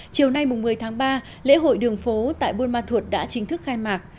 chiều nay một mươi tháng ba lễ hội đường phố tại buôn ma thuột đã chính thức khai mạc